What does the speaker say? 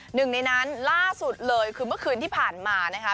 หนึ่งในนั้นล่าสุดเลยคือเมื่อคืนที่ผ่านมานะคะ